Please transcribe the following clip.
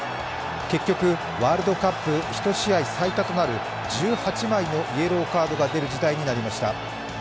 結局ワールドカップ１試合最多となる１８枚のイエローカードが出る事態になりました。